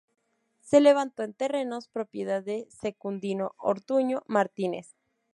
Se levantó en terrenos propiedad de Secundino Ortuño Martínez.